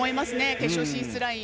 決勝進出ライン。